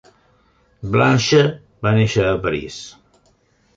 Blanche va néixer a París.